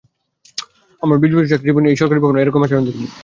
আমার ত্রিশ বছরের চাকরিজীবনে এই সরকারি ভবনে এরকম আচরণ দেখিনি।